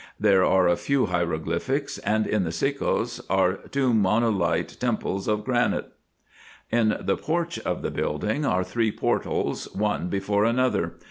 There are a few hieroglyphics ; and in the sekos are two monolite temples of granite. In the porch of the building are three portals, one before another.